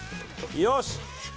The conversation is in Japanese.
よし！